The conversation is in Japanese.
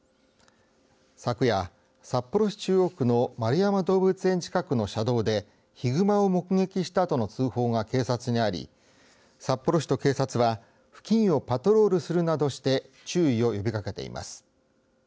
昨夜、札幌市中央区の円山動物園近くの車道でヒグマを目撃したとの通報が警察にあり札幌市と警察は付近をパトロールするなどして注意を呼びかけています。